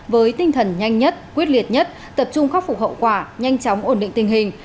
với tinh thần nhanh nhất quyết liệt nhất tập trung khắc phục hậu quả nhanh chóng ổn định tình hình